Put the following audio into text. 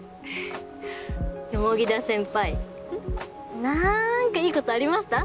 田先輩なんかいいことありました？